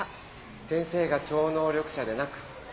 先生が超能力者でなくって。